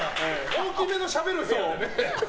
大きめのしゃべる部屋。